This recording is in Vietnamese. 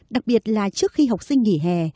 đặc biệt là trước khi học sinh nghỉ hè